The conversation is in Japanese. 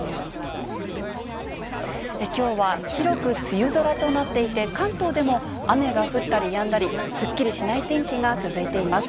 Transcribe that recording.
きょうは広く梅雨空となっていて、関東でも雨が降ったりやんだり、すっきりしない天気が続いています。